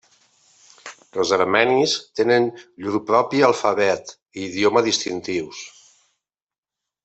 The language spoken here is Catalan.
Els armenis tenen llur propi alfabet i idioma distintius.